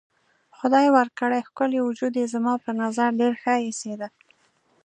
خدای ورکړی ښکلی وجود یې زما په نظر ډېر ښه ایسېده.